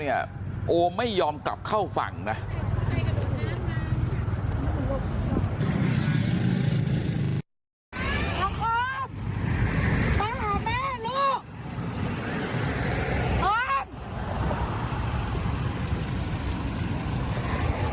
ไอ้โอ้มเว้ยกลับขึ้นฝั่งลูก